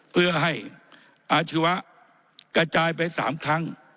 เพื่อให้อาชีวะกระจายไป๓ครั้ง